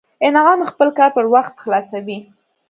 انعام خپل کار پر وخت خلاصوي